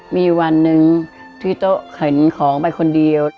มีวันหนึ่งที่โต๊ะเข็นของไปคนเดียว